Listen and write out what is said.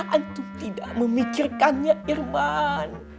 antum tidak memikirkannya irman